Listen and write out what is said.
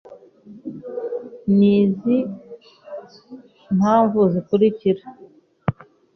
ni izi mpamvu zikurikira